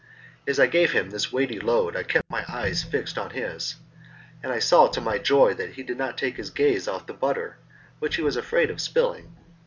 As I gave him this weighty load I kept my eyes fixed on his, and I saw to my joy that he did not take his gaze off the butter, which he was afraid of spilling.